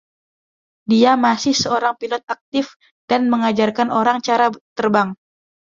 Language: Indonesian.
Dia masih seorang pilot aktif dan mengajarkan orang cara terbang.